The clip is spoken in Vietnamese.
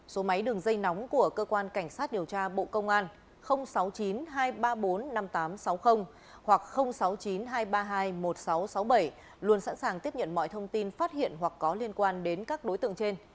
số máy đường dây nóng của cơ quan cảnh sát điều tra bộ công an sáu mươi chín hai trăm ba mươi bốn năm nghìn tám trăm sáu mươi hoặc sáu mươi chín hai trăm ba mươi hai một nghìn sáu trăm sáu mươi bảy luôn sẵn sàng tiếp nhận mọi thông tin phát hiện hoặc có liên quan đến các đối tượng trên